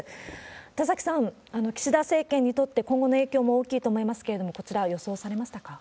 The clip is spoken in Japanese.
田崎さん、岸田政権にとって、今後の影響も大きいと思いますけれども、こちら、予想されましたか？